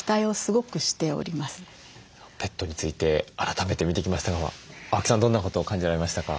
ペットについて改めて見てきましたが青木さんどんなことを感じられましたか？